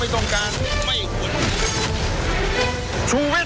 แต่ผมไม่ต้องการ